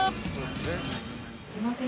すいません。